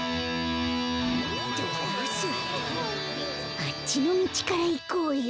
あっちのみちからいこうよ。